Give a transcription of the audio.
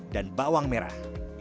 dan bawang merah